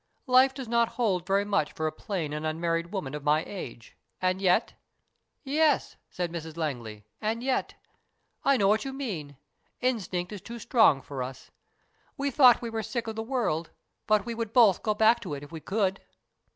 Life does not hold very much for a plain and unmarried woman of my age, and yet " "Yes," said Mrs Langley, "and yet. I know what you mean. Instinct is too strong for us. We thought we were sick of the world, but we would both go back to it if we could."